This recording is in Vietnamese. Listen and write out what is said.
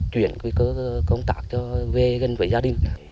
về công tác cho huyện huyện gia đình